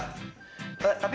terus aku gimana mbak